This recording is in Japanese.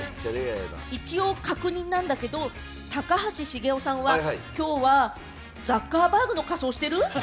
一応、確認なんだけど、高橋茂雄さんは、きょうはザッカーバーグの仮装してる？